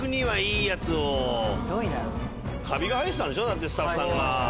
だってスタッフさんが。